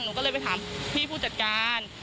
หนูก็เลยไปถามพี่ผู้จัดการ